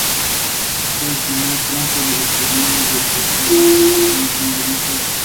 Especificar en la historia de el cantante Luan Santana comenzó es difícil.